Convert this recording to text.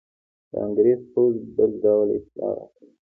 د انګرېز پوځ بل ډول اطلاع راکوي.